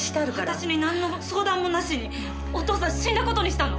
私になんの相談もなしにお父さん死んだ事にしたの？